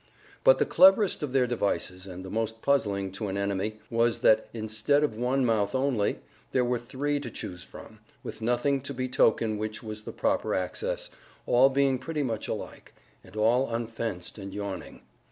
But the cleverest of their devices, and the most puzzling to an enemy, was that, instead of one mouth only, there were three to choose from, with nothing to betoken which was the proper access, all being pretty much alike, and all unfenced and yawning.